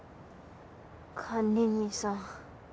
管理人さん。